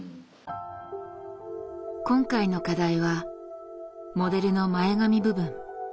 今回の課題はモデルの前髪部分。